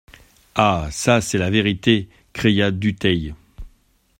Ah ! ça, c'est la vérité, cria Dutheil.